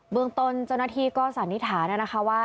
เมืองตนเจ้าหน้าที่ก็สันนิษฐานนะคะว่า